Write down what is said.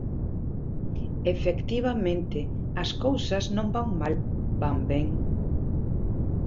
Efectivamente, as cousas non van mal, van ben.